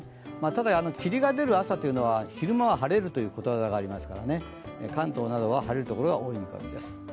ただ、霧が出る朝というのは昼間は晴れるということわざがありますから関東などは晴れるところが多い見込みです。